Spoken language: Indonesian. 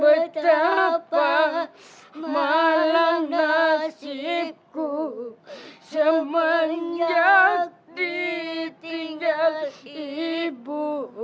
betapa malang nasibku semenjak ditinggal ibu